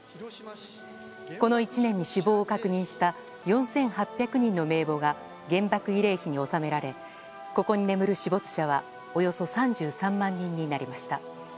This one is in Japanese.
この１年に死亡を確認した４８００人の名簿が原爆慰霊碑に納められここに眠る死没者はおよそ３３万人になりました。